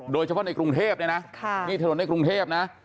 โดยเฉพาะในกรุงเทพนี่ถนนในกรุงเทพนะ